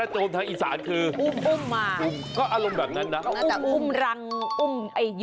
โจมปลาไหล่